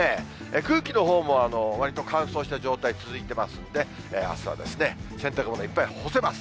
空気のほうもわりと乾燥した状態続いてますんで、あすはですね、洗濯物いっぱい干せます。